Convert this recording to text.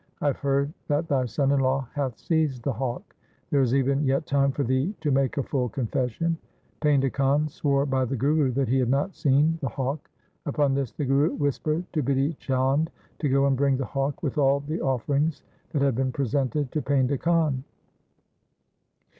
I have heard that thy son in law hath seized the hawk. There is even yet time for thee to make a full confession.' Painda Khan swore by the Guru that he had not seen the hawk. Upon this the Guru whispered to Bidhi Chand to go and bring the hawk with all the offer ings that had been presented to Painda Khan.